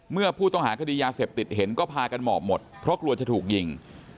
เมื่อผู้ต้องหาคดียาเสพติดเห็นก็พากันหมอบหมดเพราะกลัวจะถูกยิง